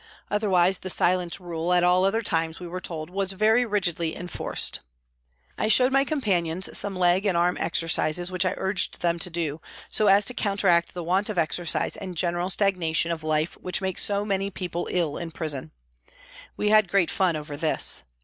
Otherwise the silence rule, at all other times we were told, was very rigidly enforced. I showed my companions some leg and arm exercises which I urged them to do, so as to counteract the want of exercise and general stagna tion of life which makes so many people ill in prison. We had great fun over this.